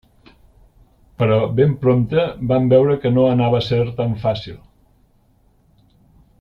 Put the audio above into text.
Però ben prompte vam veure que no anava a ser tan fàcil.